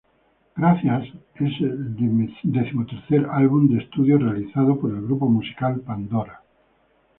Gracias es el decimotercer álbum de estudio realizado por el grupo musical Pandora.